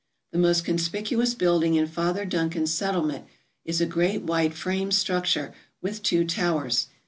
The most conspicuous building in Father Duncan's settlement is a great white frame structure with two towers.